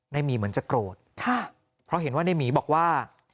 หมีเหมือนจะโกรธเพราะเห็นว่าในหมีบอกว่า